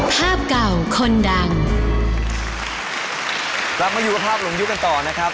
ภาพเก่าคนดังเรามาอยู่กับภาพหลงยุคกันต่อนะครับ